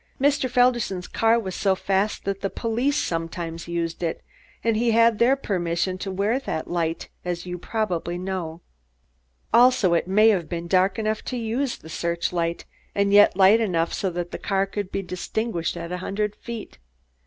Mr. Felderson's car was so fast that the police sometimes used it, and he had their permission to wear that light, as you probably know. Also, it may have been dark enough to use the search light and yet light enough so that a car could be distinguished at a hundred feet.